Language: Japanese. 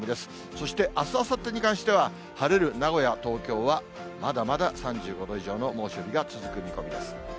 そしてあす、あさってに関しては、晴れる名古屋、東京はまだまだ３５度以上の猛暑日が続く見込みです。